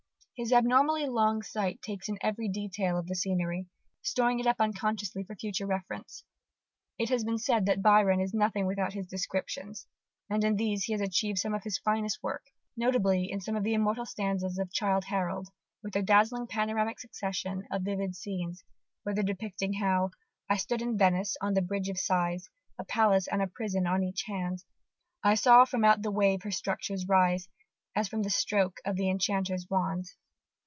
His abnormally long sight takes in every detail of the scenery, storing it up unconsciously for future reference. It has been said that Byron is nothing without his descriptions: and in these he has achieved some of his finest work: notably in some immortal stanzas of Childe Harold, with their dazzling panoramic succession of vivid scenes: whether depicting how I stood in Venice, on the Bridge of Sighs; A palace and a prison on each hand: I saw from out the wave her structures rise As from the stroke of the enchanter's wand.